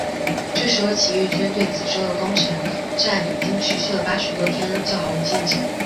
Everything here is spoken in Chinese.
这时候起义军对梓州的攻城战已经持续了八十多天仍旧毫无进展。